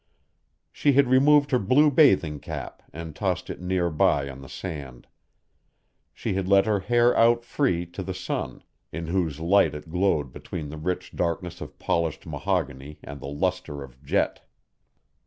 She had removed her blue bathing cap and tossed it near by on the sand. She had let her hair out free to the sun, in whose light it glowed between the rich darkness of polished mahogany and the luster of jet.